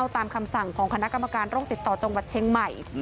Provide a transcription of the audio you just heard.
ตามคำสั่งของคณะกรรมการโรคติดต่อจังหวัดเชียงใหม่